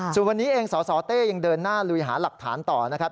ส่วนวันนี้เองสสเต้ยังเดินหน้าลุยหาหลักฐานต่อนะครับ